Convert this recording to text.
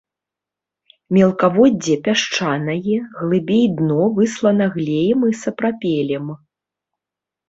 Мелкаводдзе пясчанае, глыбей дно выслана глеем і сапрапелем.